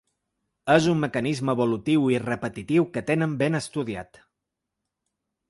És un mecanisme evolutiu i repetitiu que tenen ben estudiat.